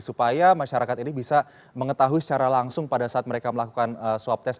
supaya masyarakat ini bisa mengetahui secara langsung pada saat mereka melakukan swab test